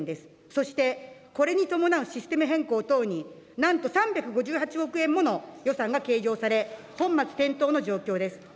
そして、これに伴うシステム変更等になんと３５８億円もの予算が計上され、本末転倒の状況です。